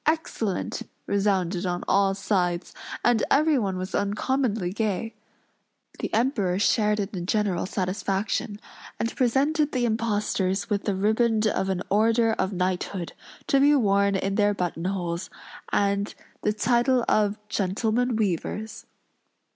Excellent!" resounded on all sides; and everyone was uncommonly gay. The Emperor shared in the general satisfaction; and presented the impostors with the riband of an order of knighthood, to be worn in their button holes, and the title of "Gentlemen Weavers."